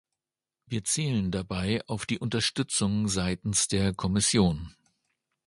Wir zählen dabei auf die Unterstützung seitens der Kommission.